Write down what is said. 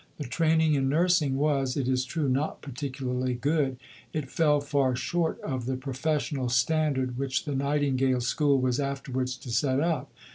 The training in nursing was, it is true, not particularly good; it fell far short of the professional standard which the Nightingale School was afterwards to set up.